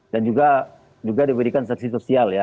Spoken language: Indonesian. dan juga diberikan sanksi sosial ya